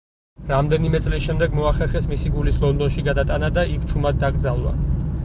რამდენიმე წლის შემდეგ, მოახერხეს მისი გულის ლონდონში გადატანა და იქ ჩუმად დაკრძალვა.